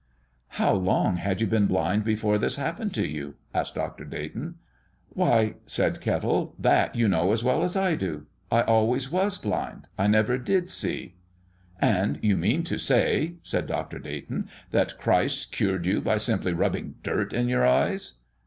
"How long had you been blind before this happened to you?" asked Dr. Dayton. "Why," said Kettle, "that you know as well as I do. I always was blind I never did see." "And do you mean to say," said Dr. Dayton, "that Christ cured you by simply rubbing dirt on your eyes?"